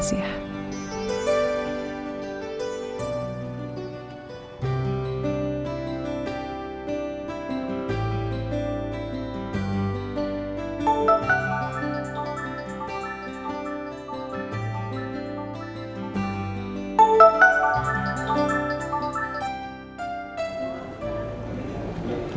sekarang robert'nya keguguran